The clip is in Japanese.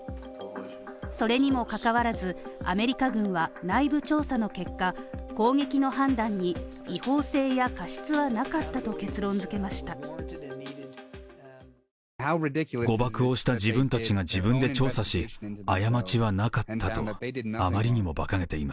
それにもかかわらず、アメリカ軍は、内部調査の結果、攻撃の判断に違法性や過失はなかったと結論付けました。